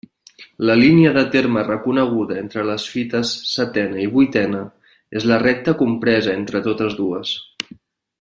La línia de terme reconeguda entre les fites setena i vuitena és la recta compresa entre totes dues.